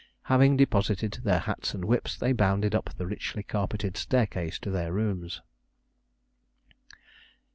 Having deposited their hats and whips, they bounded up the richly carpeted staircase to their rooms.